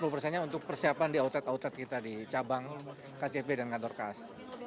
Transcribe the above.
lima puluh persennya untuk persiapan di outlet outlet kita di cabang kcp dan kantor kas